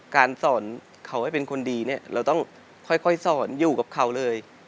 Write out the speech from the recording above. การสอนเขาให้เป็นคนดีเนี่ยเราต้องค่อยสอนอยู่กับเขาเลย